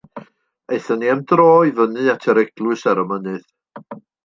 Aethon ni am dro i fyny at yr eglwys ar y mynydd.